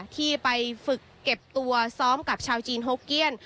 ที่ไปฝึกเก็บตัวซ้อมกับชาวจีนฮกเกี้ยน